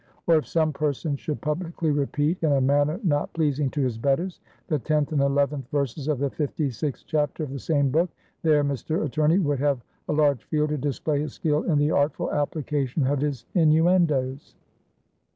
Or, if some person should publicly repeat, in a manner not pleasing to his betters, the tenth and eleventh verses of the fifty sixth chapter of the same book, there Mr. Attorney would have a large field to display his skill in the artful application of his innuendoes.